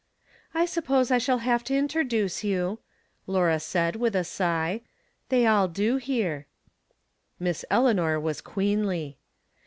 "I suppose I shall have to introduce you," Laura said, with a sigh. " They all do here." Miss Eleanor was queenly.